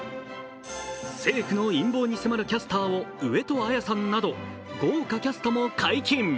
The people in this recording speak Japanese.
政府の陰謀に迫るキャスターを上戸彩さんなど豪華キャストも解禁。